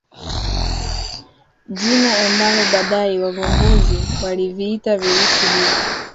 Jina ambalo baadaye wavumbuzi waliviita virusi hivi